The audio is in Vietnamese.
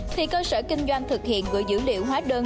thì cơ sở kinh doanh thực hiện gửi dữ liệu hóa đơn